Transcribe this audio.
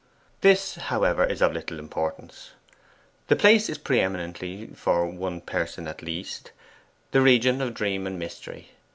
This, however, is of little importance. The place is pre eminently (for one person at least) the region of dream and mystery.